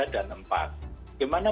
tiga dan empat di mana